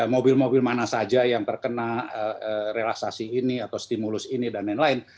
mobil mobil mana saja yang terkena relaksasi ini atau stimulus ini dan lain lain